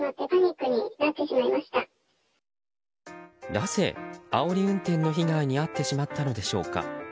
なぜ、あおり運転の被害に遭ってしまったのでしょうか。